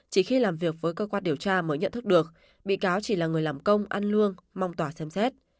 chỉ khi làm việc với cơ quan điều tra mới nhận thức được bị cáo chỉ là người làm công ăn luôn mong tòa xem xét